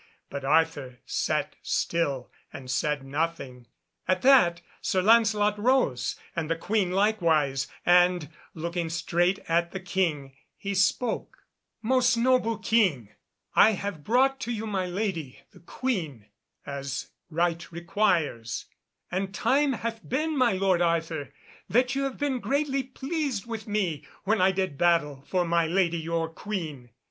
But Arthur sat still and said nothing. At that Sir Lancelot rose, and the Queen likewise, and, looking straight at the King, he spoke— "Most noble King, I have brought to you my lady the Queen, as right requires; and time hath been, my lord Arthur, that you have been greatly pleased with me when I did battle for my lady your Queen.